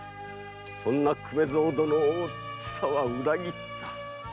そんな粂蔵殿を千佐は裏切った。